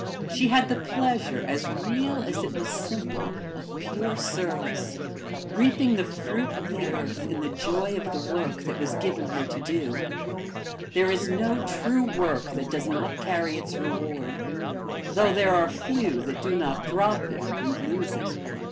She had the pleasure, as real as it was simple, of pure service, reaping the fruit of the earth in the joy of the work that was given her to do; there is no true work that does not carry its reward though there are few that do not drop it and lose it.